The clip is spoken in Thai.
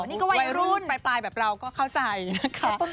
นี่ก็วัยรุ่นปลายแบบเราก็เข้าใจนะคะ